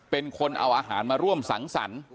เป็นคนเอาอาหารมาร่วมสังสรรค์